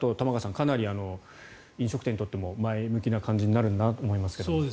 かなり飲食店にとっても前向きな感じになるなと思いますけど。